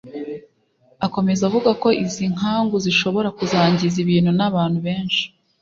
Akomeza avuga ko izi nkangu zishobora kuzangiza ibintu n’abantu benshi